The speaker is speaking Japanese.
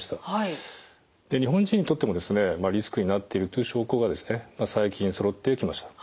日本人にとってもリスクになっているという証拠が最近そろってきました。